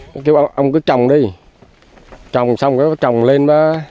nó kêu ông cứ trồng đi trồng xong nó trồng lên